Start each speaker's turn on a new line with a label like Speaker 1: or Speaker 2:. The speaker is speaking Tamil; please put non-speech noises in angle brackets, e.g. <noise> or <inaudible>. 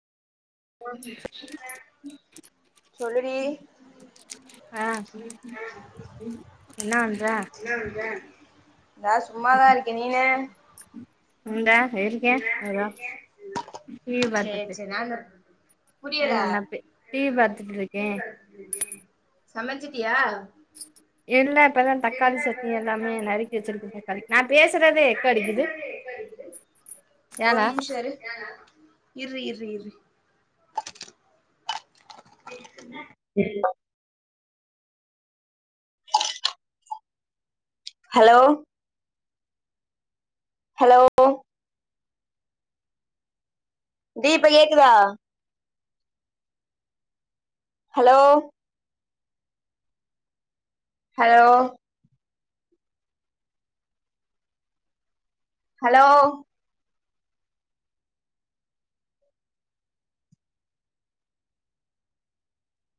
Speaker 1: கோ ச <unintelligible>
Speaker 2: சொல்லுடி
Speaker 1: ஆ என்ன வண்ற
Speaker 2: நா சும்மாாதா இருக்க நீனு
Speaker 1: உண்டா இருக்கே ஏதோ டிவி
Speaker 2: சேரி
Speaker 1: பாத்துட்டு இருக்கே
Speaker 2: சேரி நானு
Speaker 1: ஆ
Speaker 2: புரியல
Speaker 1: நல்லா டிவி பாத்துட்டு இருக்கே
Speaker 2: சமச்சிட்டியா
Speaker 1: இல்ல இப்பதா
Speaker 2: என்ன
Speaker 1: தக்காளி
Speaker 2: அந்த
Speaker 1: சட்னி
Speaker 2: பட்டா
Speaker 1: எல்லாமே நறுக்கி
Speaker 2: சொல்ல
Speaker 1: வச்சிருக்கே
Speaker 2: எல்லாமே ந
Speaker 1: தக்காளி
Speaker 2: பேசி
Speaker 1: நா
Speaker 2: சொல்லி
Speaker 1: பேசுறதே
Speaker 2: நா
Speaker 1: எக்கோ
Speaker 2: பேசுறதே எக்கோ அடிக்குது
Speaker 1: ஏலே
Speaker 2: ஏலோ இர்ரி இர்ரி இர்ரி <inaudible> ம் ஹலோ ஹலோ தீ இப்ப கேக்குதா ஹலோ ஹலோ ஹலோ